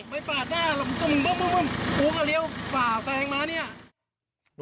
ไม่ปาดหน้ามึงปึ๊บโไปเร็วปากแสงมาเนี่ย